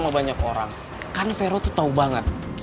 berapa pake gar